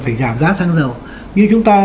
phải giảm giá xăng dầu như chúng ta